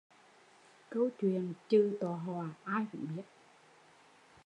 Câu chuyện chừ tọa họa, ai cũng biết